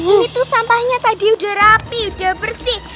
ini tuh sampahnya tadi udah rapi udah bersih